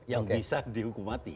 yang bisa dihukum mati